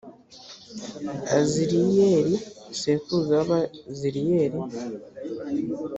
aziriyeli sekuruza w’abaziriyeli.